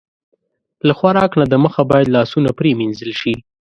له خوراک نه د مخه باید لاسونه پرېمنځل شي.